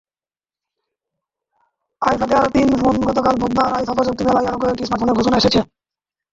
আইফাতে আরও তিন ফোনগতকাল বুধবার আইফা প্রযুক্তি মেলায় আরও কয়েকটি স্মার্টফোনের ঘোষণা এসেছে।